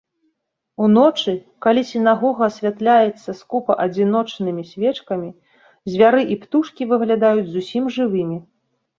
Уночы, калі сінагога асвятляецца скупа адзіночнымі свечкамі, звяры і птушкі выглядаюць зусім жывымі.